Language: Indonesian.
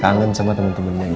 kangen sama temen temennya gitu